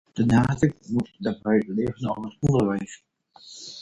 De nadruk moet daarbij liggen op het onderwijs.